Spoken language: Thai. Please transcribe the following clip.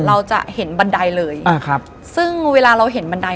เราจะเห็นบันไดเลยอ่าครับซึ่งเวลาเราเห็นบันได